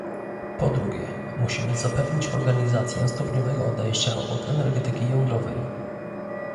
Po drugie, musimy zapewnić organizację stopniowego odejścia od energetyki jądrowej